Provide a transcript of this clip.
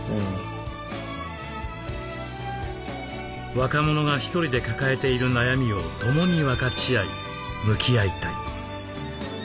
若者が１人で抱えている悩みを共に分かち合い向き合いたい。